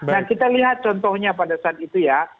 nah kita lihat contohnya pada saat itu ya